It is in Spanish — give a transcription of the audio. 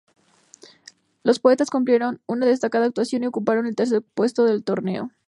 Los "Poetas", cumplieron una destacada actuación y ocuparon el tercer puesto del torneo.